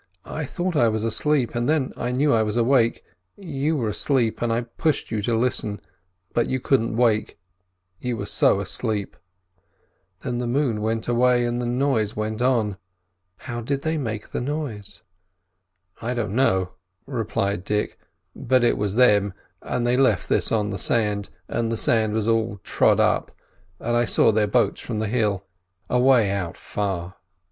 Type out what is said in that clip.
I thought I was asleep, and then I knew I was awake; you were asleep, and I pushed you to listen, but you couldn't wake, you were so asleep; then the moon went away, and the noise went on. How did they make the noise?" "I don't know," replied Dick, "but it was them; and they left this on the sand, and the sand was all trod up, and I saw their boats from the hill, away out far."